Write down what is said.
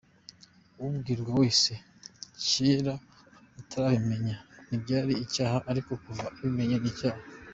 Ubwirwa wese, kera atarabimenya ntibyari icyaha, ariko kuva abimenye ni icyaha.